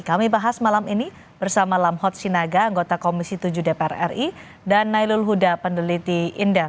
kami bahas malam ini bersama lamhot sinaga anggota komisi tujuh dpr ri dan nailul huda pendeliti indef